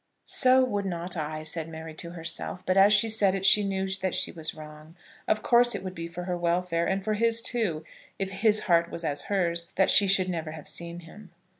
"So would not I," said Mary to herself; but as she said it she knew that she was wrong. Of course it would be for her welfare, and for his too, if his heart was as hers, that she should never have seen him.